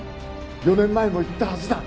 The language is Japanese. ４年前も言ったはずだ。